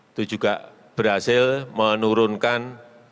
itu juga berhasil menurunkan